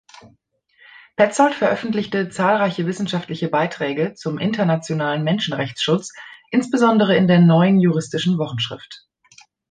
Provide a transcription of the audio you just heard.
Petzold veröffentlichte zahlreiche wissenschaftliche Beiträge zum internationalen Menschenrechtsschutz, insbesondere in der Neuen Juristischen Wochenschrift.